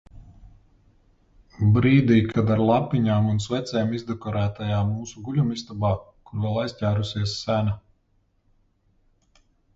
Brīdī, kad ar lampiņām un svecēm izdekorētajā mūsu guļamistabā, kur vēl aizķērusies sena.